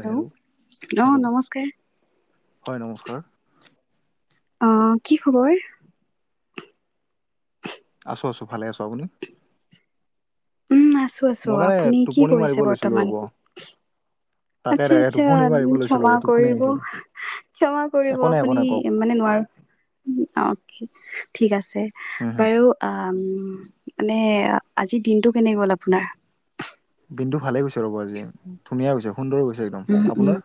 Hello, ' অ hello নমস্কাৰ। হয় নমস্কাৰ। অহ কি খবৰ? আছো আছো ভালে আছো। আপুনি? উম আছো আছো। মই মানে আপুনি কি টোপনি মাৰিব কৰিছে লৈছিলোঁ বৰ্তমান? ৰ'ব তাকে আত্চ্ছা তাকে আত্চ্ছা টোপনি মাৰিব লৈছিলোঁ ক্ষমা ৰ'ব টোপনি কৰিব, আহিছিলে ক্ষমা কৰিব একো নাই একো আপুনি নাই কওক মানে নোৱাৰো ঠিক আছে হুম হুম বাৰু আ মানে আজিৰ দিনটো কেনে গ'ল আপোনাৰ? দিনটো ভালেই গৈছে ৰ'ব আজি, ধুনীয়া গৈছে সুন্দৰ গৈছে একদম। উম উম আপোনাৰ?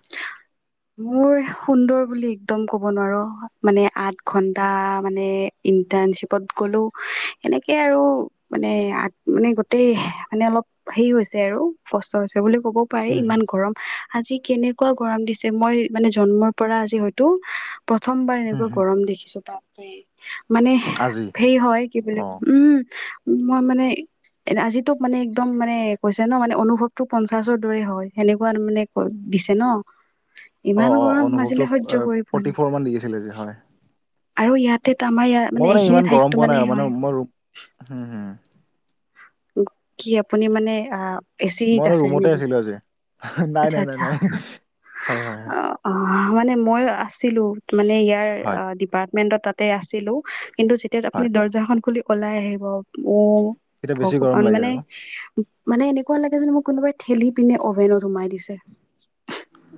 মোৰ সুন্দৰ বুলি একদম ক'ব নোৱাৰো, মানে আঠ ঘন্টা মানে ইন্টাৰ- শ্বিপত গ'লো, সেনেকে আৰু মানে মানে গোটেই মানে অলপ সেই হৈছে আৰু কষ্ট হৈছে বুলি ক'ব পাৰি, হুম হুম ইমান গৰম আজি কেনেকুৱা গৰম দিছে, মই মানে জন্মৰ পৰা আজি হয়তো প্ৰথমবাৰ হুম এনেকুৱা হুম গৰম দেখিছো বাপৰে। মানে আজি সেই হয় কি বুলি অ উম মই মানে এ আজিতোক মানে একদম মানে কৈছে ন মানে অনুভৱটো পঞ্চাশৰ দৰে হয়। সেনেকুৱা মানে দিছে ন। অ ইমান অ গৰম অনুভৱটো আজিলে সহ্য কৰি পোৱা ফৰ্টি নাই। ফ'ৰ মান দি আছিলে আজি হয় আৰু ইয়াত তে আমাৰ ইয়াৰ মই মানে ইমান এইখিনি গৰম ঠাইতো পোৱা নাই মানে হয়‌। মই ৰুম হুম হুম কি আপুনি মানে আ, এ চিত মই মানে আছে ৰুমতে নেকি, আছিলোঁ আজি নাই আত্চ্ছা নাই নাই আত্চ্ছা নাই হয় হয় হয় অ অ। মানে মই আছিলোঁ মানে ইয়াৰ হয় ডিপাৰ্টমেণ্টত তাতে আছিলোঁ কিন্তু যেতিয়াত আপুনি হয় দৰ্জাখন খুলি অলাই আহিব অহ এতিয়া বেছি গৰম ভগৱান লাগে আৰু মানে- মানে এনেকুৱা এনেকুৱা লাগে যে মোক কোনোবাই ঠেলি পিনে অভেনত সোমাই দিছে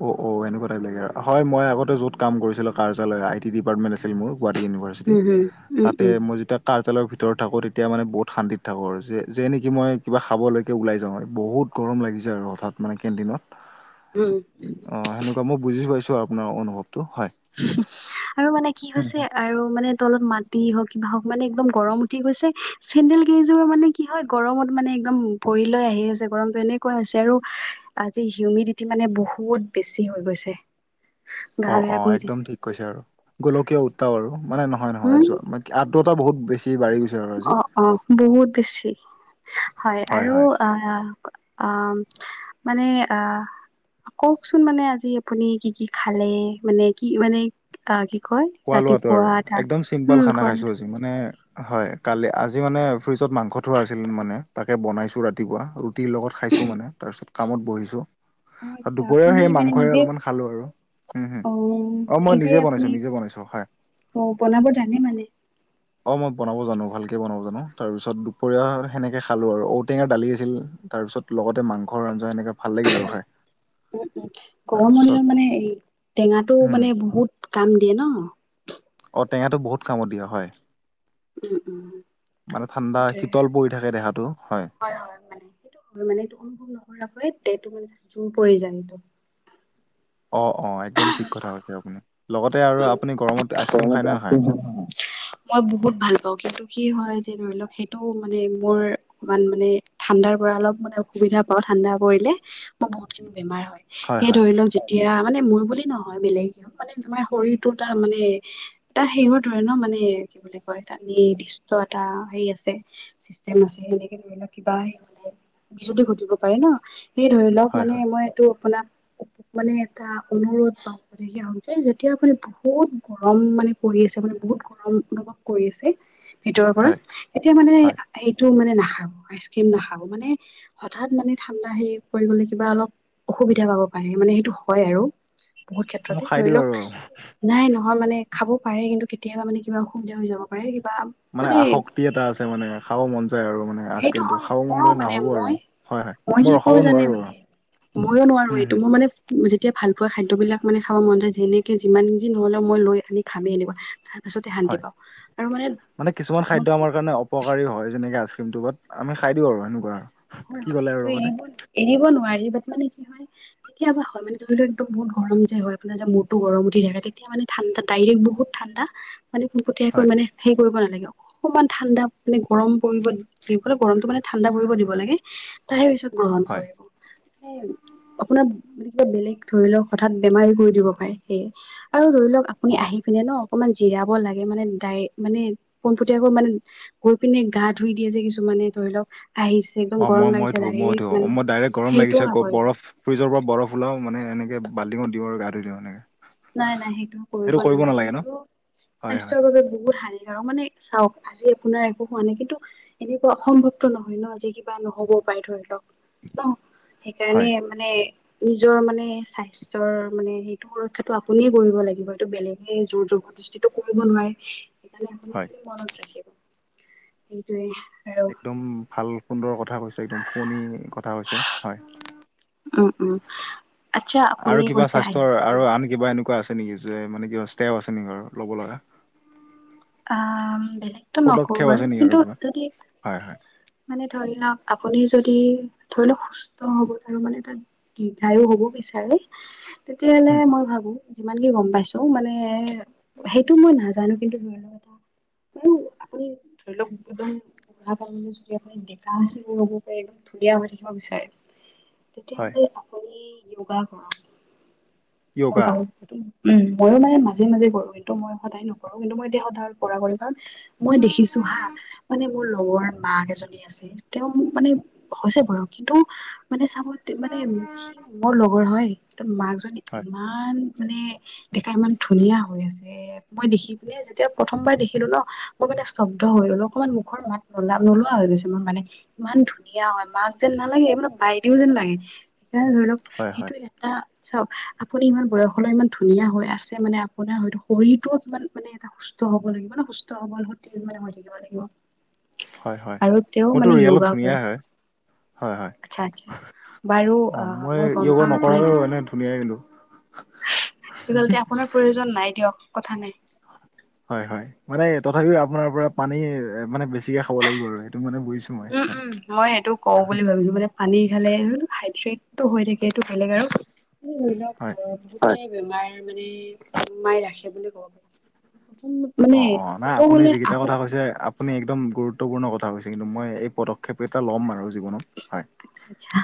অ অ এনেকুৱা টাইপ লাগে হয়, মই আগতে য'ত কাম কৰিছিলোঁ কাৰ্যালয় আই টি ডিপাৰ্টমেণ্ট আছিল মোৰ গুৱাহাটী ইউনিভাৰ্চিটি উম হুম উম তাতে উম মই যেতিয়া কাৰ্যালয়ৰ ভিতৰত ভিতৰত থাকো তেতিয়া মানে বহুত শান্তিত থাকো আৰু যে নিকি মই কিবা খাবলৈকে ওলাই যাওঁ আৰু বহুত গৰম লাগিছে যে আৰু হঠাৎ মানে কেণ্টিনত উম অ সেনেকুৱা মই বুজি পাইছো আৰু আপোনাৰ অনুভৱ। আৰু মানে কি উম। হৈছে আৰু মানে তলত মাটি হওঁক কিবা হওঁক মানে একদম গৰম উঠি গৈছে চেডেল কেইযোৰ মানে কি হয় গৰমত মানে একদম পৰি লৈ সেই হৈছে গৰমতটো এনেকুৱা হৈছে আৰু আজি হিউমিডিটি মানে বহুত বেছি হৈ গৈছে। অ গা অ বেয়া কৰি একদম দিছে ঠিক আজি কৈছে আৰু গোলকীয় উত্তাপ আৰু মানে নহয় নহয় উম য ম আদ্ৰতা বহুত বেছি। বাঢ়ি গৈছে আৰু আজি অ অ বহুত বেছি হয় আৰু আ আম মানে আ কওঁকচোন মানে আজি আপুনি কি কি খালে মানে কি মানে আ কি কয় খোৱা লোৱাতটো আৰু ৰাতিপুৱা তাৰ একদম চিম্পল উম খানা কোৱা খাইছো আজি মানে হয়, কালি আজি মানে ফ্ৰিজত মাংস থোৱা আছিল মানে তাকে বনাইছো ৰাতিপুৱা ৰুটিৰ লগত খাইছোঁ মানে তাৰপিছত কামত বহিছো অ ত আচ্ছা দুপৰীয়াও আপুনি সেই মানে মাংসই নিজে অলপমান খালো আৰু হম- হম অ অহ মই নিজে বনাইছো -নিজে বনাইছো। হয় অ', বনাব জানে মানে? অহ, মই বনাব জানো ভালকে বনাব জানো তাৰপিছত দুপৰীয়া সেনেকে খালোঁ আৰু ঔটেঙাৰ দালি আছিল তাৰপিছত লগতে মাংসৰ আঞ্জা এনেকে ভাল লাগিল আৰু খাই। উম- উম গৰমৰ তাৰপিছত দিনত মানে এই টেঙাটো উম মানে বহুত কাম দিয়ে ন' টেঙাটো বহুত কামত দিয়ে হয়। উম উম মানে ঠাণ্ডা সেইটোয়ে শীতল পৰি থাকে দেহাটো। হয় -হয় মানে সেইটো হয় মানে এইটো অনুভৱ নকৰাকৈ তে এইটো মানে জোৰ পৰি যায় এইটো অহ -অহ একদম ঠিক কথা কৈছে আপুনি লগতে আৰু আপুনি গৰমত আইচক্ৰীম খায় নে নাখায়? [unintelligible] মই বহুত ভাল পাওঁ কিন্তু সি হয় যে ধৰি লওঁক সেইটো মানে মোৰ অকমান মানে ঠাণ্ডাৰ পৰা অলপ মানে অসুবিধা পাওঁ ঠাণ্ডা পৰিলে মোৰ বহুত খিনি বেমাৰ হয় সে ধৰি লওক এতিয়া মানে মই বুলি নহয় বেলেগেও মানে তোমাৰ শৰীৰটো এটা মানে এটা শেহৰ ধৰে ন' মানে কি বুলি কয় এটা নিৰ্দিষ্ট এটা হেৰী আছে চিষ্টেম আছে সেনেকে ধৰি লঁওক কিবা [unintelligible] বিজুতি ঘটিব পাৰে ন' সেই ধৰি লওঁক হয়, মানে হয়, মই এইটো আপোনাৰ মানে এটা অনুৰোধ [unintelligible] হল যে যেতিয়া মানে বহুত গৰম মানে পৰি আছে মানে বহুত গৰম অনুভৱ কৰি আছে ভিতৰৰ পৰা হয়, এতিয়া মানে হয়। এইটো মানে ন খাও আইচ ক্ৰীম নাখাব মানে হঠাৎ মানে ঠাণ্ডা হেৰি কৰিবলে কিবা অলপ অসুবিধা পাব পাৰে মানে সেইটো হয় আৰু বহুত মই ক্ষেত্ৰতে খাই ধৰি দিওঁ আৰু লওঁক নাই নহয় মানে খাব পাৰে কিন্তু কেতিয়াবা মানে কিবা অসুবিধা হৈ যাব পাৰে মানে আসক্তি এটা আছে মানে খাব মন য যাই আৰু মানে আইচ সেইটো ক্ৰীমটো হয় খাব মন মোৰো গ'লে মানে নহ'ব আৰু মই হয় -হয় কি মই কৰো ৰখাব জানে নোৱাৰো মানে আৰু ময়ো নোৱাৰো হম, এইটো হম, মোৰ মানে তেতিয়া ভাল পোৱা খাদ্যবিলাক মানে খাব মন যায় যেনেকে যিমান যি নহ'লেও মই লৈ আনি খামে এনেকুৱা পাছতে শান্তি হয় পাওঁ আৰু মানে কিছুমান খাদ্য আমাৰ হয় কাৰণে অপকাৰী হয় যেনেকে আ ক্ৰীমটো বাত আমি খাই দিওঁ আৰু এনেকুৱা হয়- হয় সেইটো এৰিব এ-ৰিব নোৱাৰে। মানে কি হয় কেতিয়াবা হয় মানে ধৰিল' একদম বহুত গৰম যে হয় আপোনাৰ যে মূটো গৰম উঠি থাকে তেতিয়া মানে ঠাণ্ডা ডাইৰেক্ বহুত ঠাণ্ডা মানে পোনপটীয়াক হয়, মানে হে কৰিব নালাগে আৰু অকণমান ঠাণ্ডা মানে গৰম পৰিব [unintelligible] গৰমতটো মানে ঠাণ্ডা পৰিব দিব লাগে তাৰে পিছত গ্ৰহণ হয়, কৰিব আপোনাৰ কিবা বেলেগ ধৰি লওক হঠাৎ বেমাৰী কৰি দিব পাৰে সেয়ে আৰু ধৰি লওক আপুনি অ'। আহি পিনে ন অকমান জিৰাব লাগে মানে ডাই মানে পোনপুটীয়াকৈ মানে গৈ পিনে গা ধুই দিয়ে যে কিছুমান মানে ধৰি লওক আহি অহ, মই ধুও -মই ধুও মই ডাইৰেক্ট গৰম লাগিছে সেইটোও নকৰিব বৰফ ফ্ৰিজৰ পৰা বৰফ ওলাও মানে এনেকে বালটিনত দিওঁ আৰু গা ধু দিওঁ এনেকে নাই -নাই সেইটো কৰিব নালাগে সেইটো হয়, হয়, স্বাস্থ্যৰ বাবে বহুত হানি কাৰক, মানে চাওক আজি আপোনাৰ একো হোৱা নাই কিন্তু এনেকুৱা অসম্ভৱতো নহয় ন' আজি কিবা নহ'ব সদায় ধৰি লওক ন' হয়। সেইকাৰণে মানে নিজৰ মানে স্বাস্থ্যৰ মানে সেইটো সুৰক্ষা টো আপুনি কৰিব লাগিব এইটো বেলেগে জোৰ জবৰদস্তিটো কৰিব নোৱাৰে সেইকাৰণে আপুনি হয় কি মনত ৰাখিব সেইটোৱে আৰু একদম ভাল সুন্দৰ কথা কৈছে একদম শুৱনি কথা কৈছে হয়। উম উম আচ্ছা [inaudible] আপুনি আৰু কিবা কৈছে স্বাস্থ্যৰ আইচক্ৰীম আৰু আন কিবা এনেকুৱা আছে নেকি যে মানে কিব ষ্টেপ আছে নেকি বাৰু ল'ব লগা? আ বেলেগতটো নকওঁ পদক্ষেপ বাৰু আছে নেকি আৰু কিন্তু কিবা যদি হয় হয় মানে ধৰি লওক আপুনি যদি ধৰি লওক সুস্থ সবল আৰু মানে তাত দীৰ্ঘায়ু হ'ব বিচাৰে তেতিয়াহ'লে উম, মই ভাবো যিমান কি গম পাইছো মানে সেইটো মই নাজানো কিন্তু ধৰি লগ আৰু আপুনি ধৰি লওক একদম বুঢ়া কাললৈ যদি আপুনি ডেকা হব পাৰে একদম ধুনীয়া হৈ থাকিব বিচাৰে হয় তেতিয়াহলে আপুনি য়োগা কৰা মই য়োগা ভাবো উম ময়ো মানে মাজে মাজে কৰো কিন্ত মই সদায় নকৰো কিন্তু মই এতিয়া সদায় কৰা কৰি কাৰণ মই দেখিছো হা মানে মোৰ লগৰ মাক এজনী আছে তেওঁ মানে হৈছে বয়স কিন্তু মানে চাব মানে সি মোৰ লগৰ হয় তৰ মাক জনী হয় ইমান মানে দেখা ইমান ধুনীয়া হৈ আছে মই দেখি পিনে যেতিয়া প্ৰথমবাৰ দেখিলো ন মই মানে স্তব্ধ হৈ গলো অকমান মুখৰ মাত নলা নোলোৱা হৈ গৈছে মোৰ মানে ইমান ধুনীয়া হয় মাক যেন নালাগে মানে বাইদেউ যেন লাগে সেইকাৰণে ধৰি লওক হয় সেইটো হয় এটা চাওক আপুনি ইমান বয়সলৈ ইমান ধুনীয়া হৈ আছে মানে আপোনাৰ হয়টো শৰীৰটোও কিমান মানে এটা সুস্থ সুস্থ হ'ব লাগিব ন সুস্থ হবল সতেজ মানে হৈ থাকিব লাগিব হয় হয় আৰু তেওঁ মইতো মানে ৰিয়েলত য়োগা ধুনীয়া কৰে হয় হয় হয় আচ্ছা আচ্ছা বাৰু অ মই গম য়োগা পাম আপোনাৰ নকৰাকৈও এনে ধুনীয়াই কিন্তু আপোনাৰ প্ৰয়োজন নাই দিয়ক কথা নাই হয় হয় মানে তথাপিও আপোনাৰ পৰা পানী মানে বেছিকে খাব লাগিব আৰু সেইটো মানে বুজিছো মই উম হয় উম মই সেইটো কওঁ বুলি ভাবিছো মানে পানী খালে হাইড্ৰেটটো হৈ থাকে এইটো বেলেগ আৰু ধৰি লওক হয় আৰু বহুতখিনি বেমাৰ মানে মাই ৰাখে বুলি ক'ব পাৰি প্ৰথম অ মানে অ নাই ক'ব আপুনি গ'লে যিকেইটা আপ কথা কৈছে আ আপুনি একদম গুৰুত্বপূৰ্ণ কথা কৈছে কিন্তু মই এই পদক্ষেপকেইটা ল'ম আৰু জীৱনত হয় আচ্ছা আচ্ছা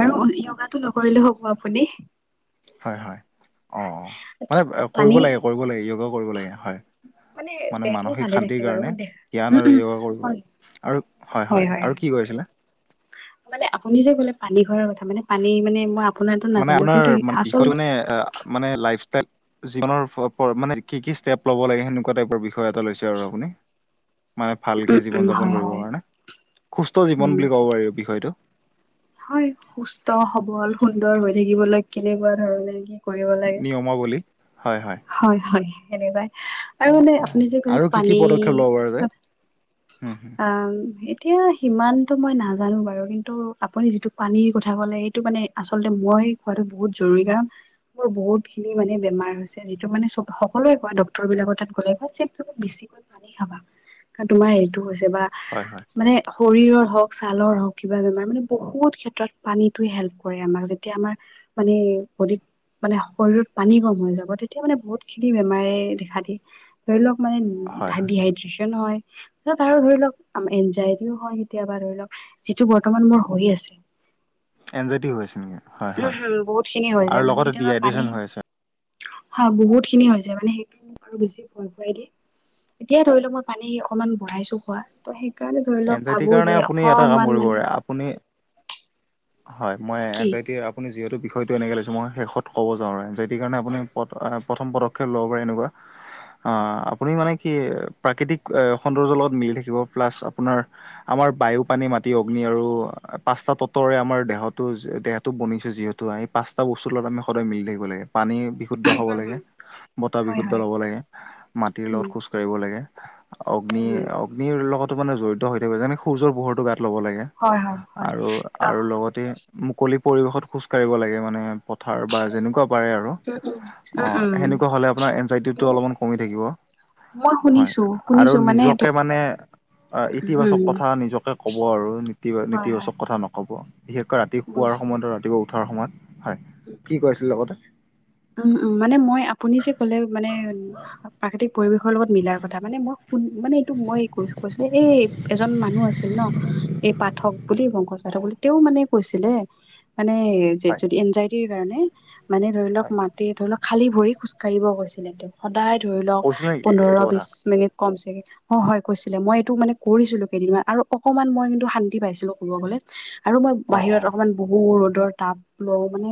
বাৰু য়োগাটো নকৰিলেও হ'ব আপুনি হয় হয় অ মানে কৰিব পানী লাগে কৰিব লাগে য়োগাও কৰিব লাগে হয়। মানে দেহটো মানসিক ভালে থাকে শান্তিৰ বাৰু কাৰণে দেহ উম জ্ঞান আৰু উম য়োগা কৰো হয় আৰু হয় হয় আৰু কি ক কৈছিলে? মানে আপুনি যে ক'লে পানী খোৱাৰ কথা মানে পানী মানে মই আপোনাৰতো মানে নাজানো আপোনাৰ কিন্তু অ আচল বিষয় মানে মানে লাইফষ্টাইল জীৱনৰ মানে কি কি ষ্টেপ ল'ব লাগে সেনেকুৱা টাইপৰ বিষয় এটা লৈছে আৰু আপুনি মানে ভালকে উম উম জীৱন যাপন হয় কৰিব হয় কাৰণে সুস্থ জীৱন উম বুলি ক'ব পাৰি বিষয়টো। হয় সুস্থ সবল সুন্দৰ হৈ থাকিবলৈ কেনেকুৱা ধৰণে কি কৰিব লাগে নিয়মাৱলী হয় হয় হয় সেনেকুৱাই আৰু অ', মানে অ', আপুনি যে কলে আৰু কি কি পানী পদক্ষেপ ল'ব পৰা যায়? হুম, হুম, অ এতিয়া সিমান টো মই নাজানো বাৰু কিন্তু আপুনি যিটো পানীৰ কথা ক'লে সেইটো মানে আচলতে মই খোৱাটো বহুত জৰুৰ- [unintelligible] মোৰ বহুত খিনি মানে বেমাৰ হৈছে। যিটো মানে চব সকলোৱে কয় ডক্তৰ বিলাকৰ তাত গ'লে বেছিকৈ পানী খাবা। কাৰণ তোমাৰ এইটো হৈছে বা হয়, হয়, মানে শৰীৰৰ হওক ছালৰ হওঁক কিবা বেমাৰ মানে বহুত ক্ষেত্ৰত পানীটো হেল্প কৰে আমাক যেতিয়া আমাৰ পানীৰ বদীত মানে শৰীৰত পানী কম হৈ যাব তে তেতিয়া মানে বহুত খিনি বেমাৰে দেখা দিয়ে ধৰি লওক মানে হয়, হয়, ডিহাইড্ৰেচেন নহয় আৰু ধৰি লওক এনজাইটিও হয় কেতিয়াবা ধৰি লওক যিটো বৰ্তমান মোৰ হৈ আছে এনজাইটি হৈ আছে নেকি? হয়, [inaudible] উম হয়, হম বহুত খিনি হৈ আৰু যায় মানে লগতে কেতিয়াবা পানী ডিহাইড্ৰেচন হৈ আছে। হা বহুত খিনি হৈ যায় মানে সেইটো মোক আৰু বেছি ভয় খুৱাই দিয়ে। এতিয়া ধৰি লও মই পানী অকনমান বঢ়াইছো খোৱা ত সেই সেইকাৰণে ধৰি লওক এনজাইটিৰ ভাবো কাৰণে যে আপুনি এটা কাম অকমান কৰিব মানে পাৰে, আপুনি হয় মই এনজাইটি কি আপুনি যিহেতু বিষ হয়টো এনেকৈ লৈছোঁ মই শেষত ক'ব যাওঁ ৰাই যেটি কাৰণে আপুনি পদ প্ৰথম পদক্ষেপ ল'ব পাৰে এনেকুৱা অ আপুনি মানে কি প্ৰাকৃতিক সৌন্দৰ্যৰ লগত মিলি থাকিব প্লাছ আপোনাৰ আমাৰ বায়ু, পানী, মাটি, অগ্নি আৰু পাঁচটা তত্ত ৰে আমাৰ দেহতটো দেহটো বনিছে যিহেতু আমি পাঁচটা বস্তুৰ লগত আমি সদায় মিলি থাকিব লাগে। পানী বিশুদ্ধ খাব লাগে। বতাহ হয় বিশুদ্ধ হয় লব লাগে মাটিৰ লগত উম খোজ কঢ়িব লাগে অগ্নি উম অগ্নিৰ লগত মানে জড়িত হৈ থাকিব যেনে সূৰ্যৰ পোহৰটো গাত ল'ব লাগে হয় হয় হয় আৰু অ আৰু লগতে মুকলি পৰিৱেশত খোজ কঢ়িব লাগে মানে পথাৰ বা যেনেকুৱা পাৰে আৰু উম উম অ উম উম সেনেকুৱা হলে আপোনাৰ এনজাইটিটো অলপমান কমি থাকিব। মই হয় শুনিছো আৰু শুনিছো মানে নিজকে মানে অ ইতিবাচক উম কথা নিজকে কব আৰু হয় হয় নেতিবাচক কথা নকব। বিশেষকৈ ৰাতি পোৱাৰ বুজিছো সময়ত আৰু ৰাতিপুৱা উঠাৰ সময়ত হয় কি কৈ আছিলে লগতে উম উম মানে মই আপুনি যে ক'লে মানে প্ৰাকৃতিক পৰিৱেশৰ লগত মিলাৰ কথা মানে মই শুন মানে মই কৈছো কৈছিলো এই এজন মানুহ আছিল ন এই পাঠক বুলি পংকজ পাঠক বুলি তেওঁ মানে কৈছিলে মানে যে হয় যদি এনজাইটিৰ কাৰণে মানে ধৰি লওক হয় মাটি ধৰি লওক খালী ভৰি খোজ কাঢ়িব কৈছিলে তেওঁ সদায় ধৰি লওক কৈছিলে নেকি পোন্ধৰ এইটো কথা বিশ মিনিট কম চাগে অ হয় কৈছিলে মই এইটো মানে কৰিছিলো কেইদিনমান আৰু অকনমান মই কিন্তু শান্তি পাইছিলো কব গলে। আৰু মই অ অ বাহিৰত অকমান বহু ৰ'দৰ টাব লওঁ মানে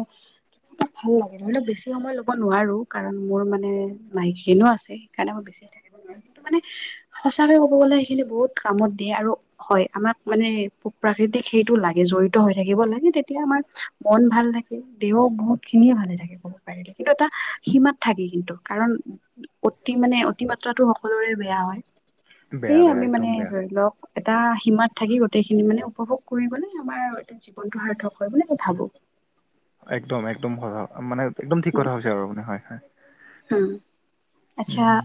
কিবা ভাল লাগে। ধৰি বেছি সময় ল'ব নোৱাৰো কাৰণ মোৰ মানে মাইষিনো আছে সেইকাৰণে মই বেছি থাকিব নোৱাৰো কিন্তু মানে সঁচাকে ক'ব গ'লে সেইখিনি বহুত কামত দিয়ে আৰু হয় আমাক মানে পকুৰা তেতিয়া সেইটো লাগে জড়িত হৈ থাকিব লাগে তেতিয়া আমাৰ মন ভাল থাকে দেহ বহুত খিনিয়ে ভালে থাকে। কিন্তু এটা সীমাত থাকে কিন্তু কাৰণ অতি মানে অতিমাত্ৰাটো সকলোৰে বেয়া হয়। বেয়া সেয়ে বেয়া আমি একদম মানে বেয়া ধৰি লওক এটা সীমাত থাকি গোটেইখিনি মানে উপভোগ কৰিবলৈ আমাৰ এইটো জীৱনটো সাৰ্থক হয় বুলি মই ভাবো। একদম একদম হয় ভাব মানে একদম ঠিক কথা হৈছে আৰু আপুনি হয় হয় উ আচ্ছা উম,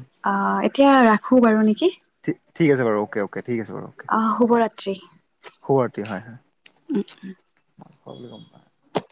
এতিয়া ৰাখো বাৰু নেকি? ঠিক ঠিক আছে বাৰু অকে অকে‌ ঠিক আছে বাৰু অ'কে আহ শুভৰাত্ৰি। শুভ ৰাত্ৰি হয় হয় [unintelligible]